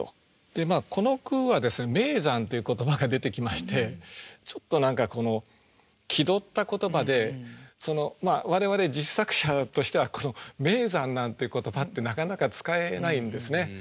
でまあこの句はですね「名山」という言葉が出てきましてちょっと何かこの気取った言葉でまあ我々実作者としてはこの「名山」なんて言葉ってなかなか使えないんですね。